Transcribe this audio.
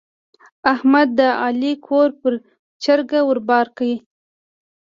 احمد د علي کور پر چرګه ور بار کړ.